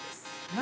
何？